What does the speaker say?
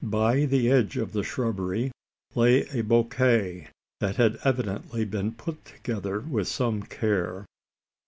By the edge of the shrubbery lay a bouquet, that had evidently been put together with some care!